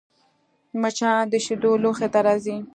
مچان د شیدو لوښي ته راځي